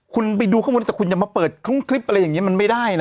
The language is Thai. คุณไปดูข้างบนแต่คุณอย่ามาเปิดคลุ้งคลิปอะไรอย่างนี้มันไม่ได้นะ